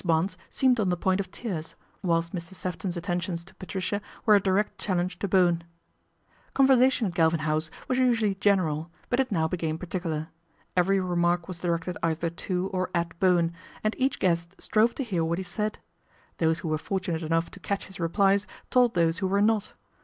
Barnes seemed on the point of tears, whilst Mr. Sefton's attentions to Patricia were a direct challenge to Bowen. Conversation at Galvin House was usually general ; but it now became particular. Every remark was directed either to or at Bowen, and each guest strove to hear what he said. Those who were fortunate enough to catch his replies told those who were not.